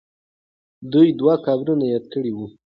دوی دوه قبرونه یاد کړي وو.